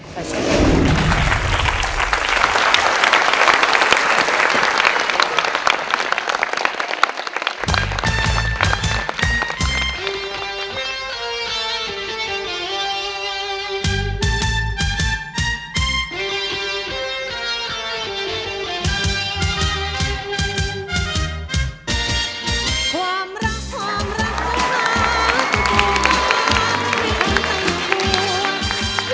ความรักความรักซาวบราทุกต่อที่คนจำอยู่กัน